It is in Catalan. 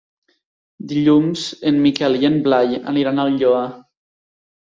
Dilluns en Miquel i en Blai aniran al Lloar.